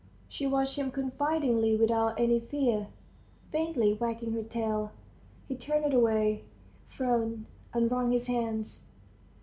... She watched him confidingly and without any fear, faintly wagging her tail. He turned away, frowned, and wrung his hands.